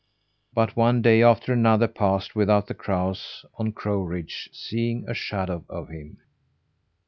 But one day after another passed without the crows on crow ridge seeing a shadow of him.